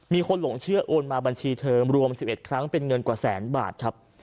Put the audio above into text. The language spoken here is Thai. หลงเชื่อโอนมาบัญชีเธอรวม๑๑ครั้งเป็นเงินกว่าแสนบาทครับ